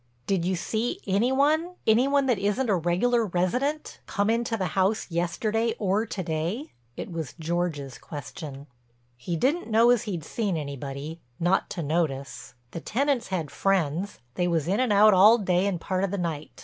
"Did you see any one—any one that isn't a regular resident—come into the house yesterday or to day?" It was George's question. He didn't know as he'd seen anybody—not to notice. The tenants had friends, they was in and out all day and part of the night.